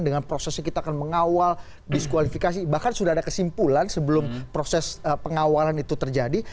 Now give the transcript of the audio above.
dengan prosesnya kita akan mengawal diskualifikasi bahkan sudah ada kesimpulan sebelum proses pengawalan itu terjadi